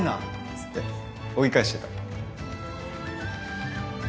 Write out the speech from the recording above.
っつって追い返してた。